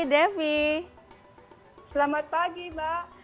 devi selamat pagi mbak